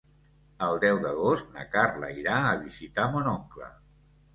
El deu d'agost na Carla irà a visitar mon oncle.